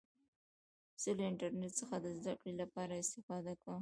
زه له انټرنټ څخه د زدهکړي له پاره استفاده کوم.